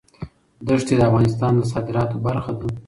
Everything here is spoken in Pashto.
ښتې د افغانستان د صادراتو برخه ده.